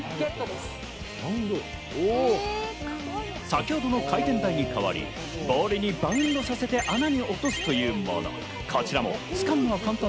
先程の回転台に代わり、ボールにバウンドさせて穴に落とすというもの。